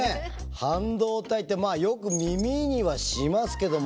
半導体ってまあよく耳にはしますけども。